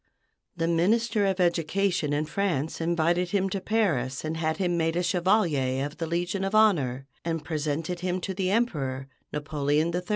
The Minister of Education in France invited him to Paris and had him made a Chevalier of the Legion of Honor, and presented him to the Emperor, Napoleon III.